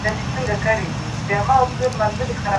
ټیکنالوژي د هوا د ککړتیا په اندازه کولو کې مرسته کوي.